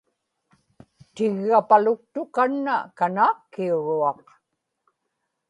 tiggapaluktuq kanna kanaakkiuruaq